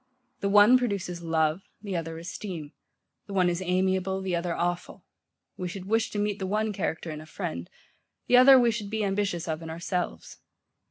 The one produces love, the other esteem: the one is amiable, the other awful: we should wish to meet the one character in a friend; the other we should be ambitious of in ourselves.